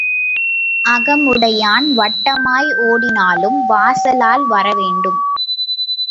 அகமுடையான் வட்டமாய் ஓடினாலும் வாசலால் வரவேண்டும்.